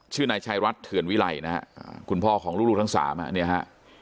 ชื่อนายชายรัฐเถื่อนวิไลนะฮะคุณพ่อของลูกทั้งสามอ่ะเนี่ยฮะ